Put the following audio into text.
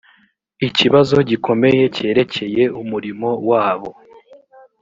ikibazo gikomeye cyerekeye umurimo wabo